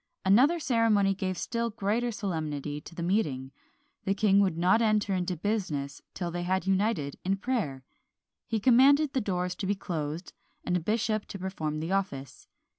Another ceremony gave still greater solemnity to the meeting; the king would not enter into business till they had united in prayer. He commanded the doors to be closed, and a bishop to perform the office.